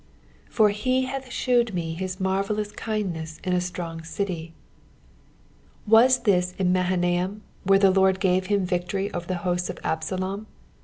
" For he hath thewed me hit maneUva* kindneu in a ttrong eity." Was this in Hahanaim, where the Lord gave him victory over the hosts of Absalom